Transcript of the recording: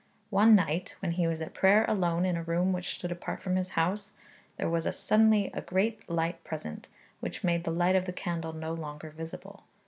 One night, when he was at prayer alone in a room which stood apart from his house, there was suddenly a great light present, which made the light of the candle no longer visible.